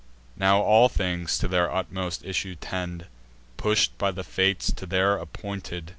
Now all things to their utmost issue tend, Push'd by the Fates to their appointed end.